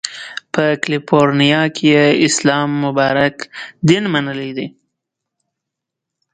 په کالیفورنیا کې یې اسلام مبارک دین منلی دی.